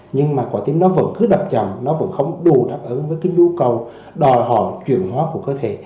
nhưng mà quả tim nó vẫn cứ đập chậm nó vẫn không đủ đáp ứng với cái nhu cầu đòi hỏi chuyển hóa của cơ thể